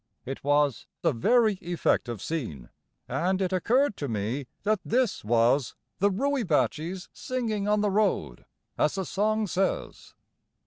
It was a very effective scene, and it occurred to me that THIS was "the rooibaatjees singing on the road," as the song says.